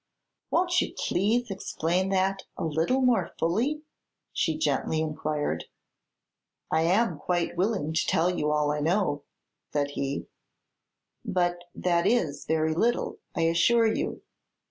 "Won't you please explain that a little more fully?" she gently inquired. "I am quite willing to tell all I know," said he; "but that is very little, I assure you.